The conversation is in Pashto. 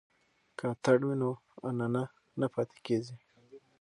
که اتڼ وي نو عنعنه نه پاتې کیږي.